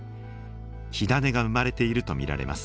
火種が生まれていると見られます。